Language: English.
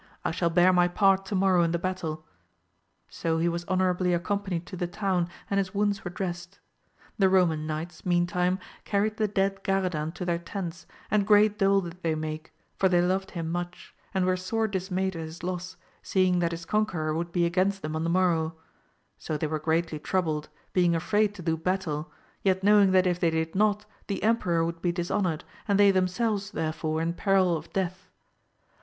I shall bear my part to morrow in the battle. So he was honourably accompanied to the town, and his wounds were dressed. The Eoman knights meantime carried the dead Garadan to their tents, and great dole did they make, for they loved him much, and were sore dismayed at his loss, seeing that his con queror would be against them on the morrow ; so they were greatly troubled, being afraid to do battle, yet knowing that if they did not the emperor would be dishonoured, and they themselves therefore in peril of death.